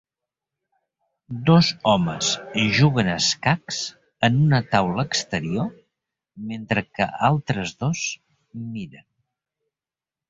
Dos homes juguen a escacs en una taula exterior mentre que altres dos miren.